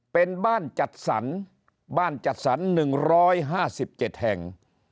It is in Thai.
เป็นบ้านจัดสรรบ้านจัดสรร๑๕๗แห่ง